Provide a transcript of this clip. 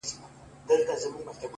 o نور به شاعره زه ته چوپ ووسو،